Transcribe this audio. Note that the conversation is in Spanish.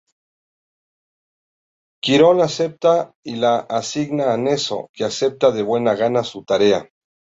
Quirón acepta y le asigna a Neso, que acepta de buena gana su tarea.